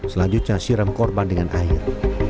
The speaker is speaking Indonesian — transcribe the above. selanjutnya siram korban dengan air